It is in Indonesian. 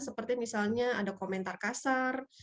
seperti misalnya ada komentar kasar